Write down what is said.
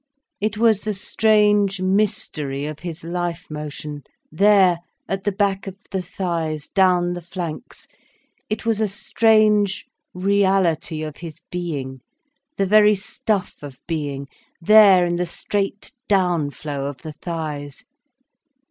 It was the strange mystery of his life motion, there, at the back of the thighs, down the flanks. It was a strange reality of his being, the very stuff of being, there in the straight downflow of the thighs.